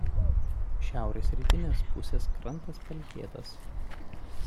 Šiaurės rytinės pusės krantas pelkėtas.